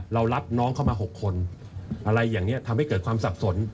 เรารับน้องเข้ามา๖คนอะไรอย่างนี้ทำให้เกิดความสับสน